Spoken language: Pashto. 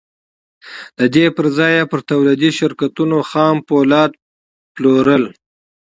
د دې پر ځای يې پر توليدي شرکتونو خام پولاد پلورل.